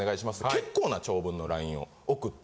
結構な長文のＬＩＮＥを送って。